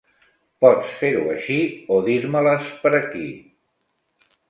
Pots fer-ho així o dir-me-les per aquí.